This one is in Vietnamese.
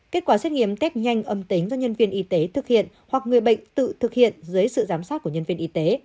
kết quả xét nghiệm test nhanh âm tính do nhân viên y tế thực hiện hoặc người bệnh tự thực hiện dưới sự giám sát của nhân viên y tế